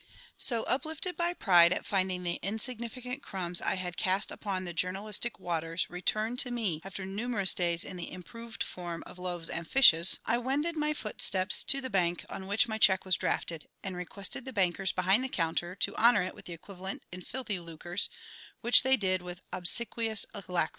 So uplifted by pride at finding the insignificant crumbs I had cast upon the journalistic waters return to me after numerous days in the improved form of loaves and fishes, I wended my footsteps to the bank on which my cheque was drafted, and requested the bankers behind the counter to honour it with the equivalent in filthy lucres, which they did with obsequious alacrity.